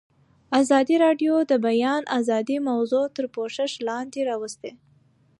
ازادي راډیو د د بیان آزادي موضوع تر پوښښ لاندې راوستې.